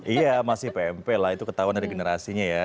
iya masih pmp lah itu ketahuan dari generasinya ya